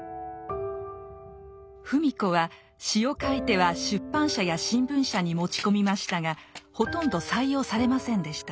芙美子は詩を書いては出版社や新聞社に持ち込みましたがほとんど採用されませんでした。